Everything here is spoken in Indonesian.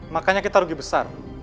makanya kita rugi besar